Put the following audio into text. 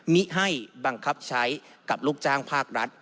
มิให้บังคับใช้กับลูกจ้างภาครัฐ